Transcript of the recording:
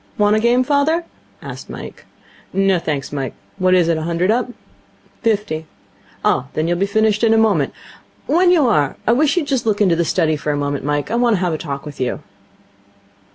'Want a game, father?' asked Mike. 'No, thanks, Mike. What is it? A hundred up?' 'Fifty.' 'Oh, then you'll be finished in a moment. When you are, I wish you'd just look into the study for a moment, Mike. I want to have a talk with you.'